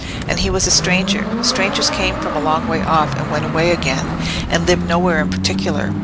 And he was a stranger—strangers came from a long way off and went away again, and lived nowhere in particular.